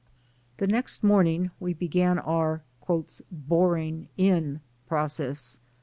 The next morning we began our "boring in" proc ess.